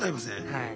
はい。